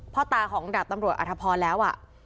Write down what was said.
พ่อตาของดาบตำรวจอธพรแล้ว